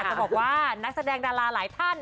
จะบอกว่านักแสดงดาราหลายท่าน